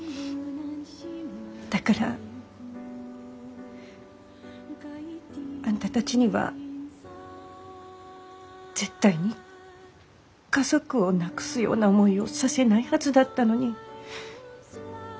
だからあんたたちには絶対に家族を亡くすような思いをさせないはずだったのに。